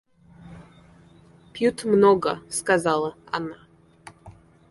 Пьют много, — сказала она.